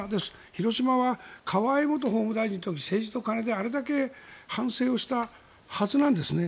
広島は河合元法務大臣の政治と金であれだけ反省をしたはずなんですね。